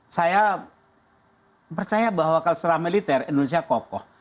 saya percaya bahwa setelah militer indonesia kokoh